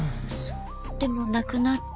でもなくなった？